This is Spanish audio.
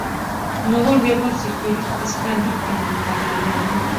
No volvió a conseguir escaño en el Parlamento.